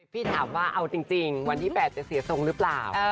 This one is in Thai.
พี่ถามว่าเอาจริงวันที่๘จะเสียทรงหรือเปล่า